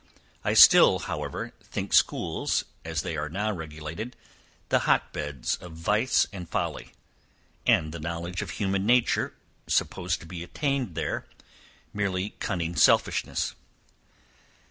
I still, however, think schools, as they are now regulated, the hot beds of vice and folly, and the knowledge of human nature, supposed to be attained there, merely cunning selfishness.